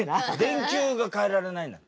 電球が換えられないんだって。